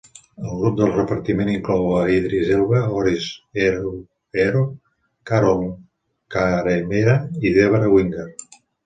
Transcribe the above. El grup de repartiment inclou a Idris Elba, Oris Erhuero, Carole Karemera i Debra Winger.